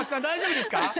大丈夫ですか？